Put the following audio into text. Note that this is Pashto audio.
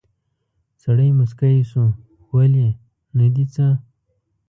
سړی موسکی شو: ولې، نه دي څه؟